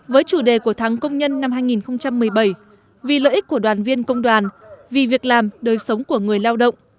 với chủ đề của tháng công nhân năm hai nghìn một mươi bảy vì lợi ích của đoàn viên công đoàn vì việc làm đời sống của người lao động